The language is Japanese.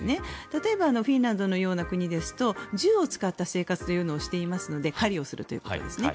例えばフィンランドのような国ですと銃を使った生活というのをしていますので狩りをするということですね。